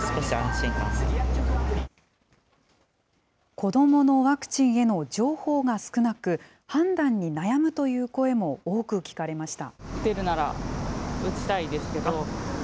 子どものワクチンへの情報が少なく、判断に悩むという声も多く聞かれました。